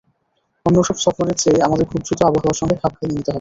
অন্যসব সফরের চেয়ে আমাদের খুব দ্রুত আবহাওয়ার সঙ্গে খাপ খাইয়ে নিতে হবে।